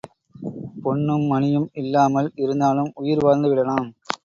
பொன்னும் மணியும் இல்லாமல் இருந்தாலும் உயிர் வாழ்ந்து விடலாம்.